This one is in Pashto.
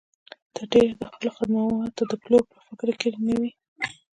تر ډېره د خپلو خدماتو د پلور په فکر کې نه وي.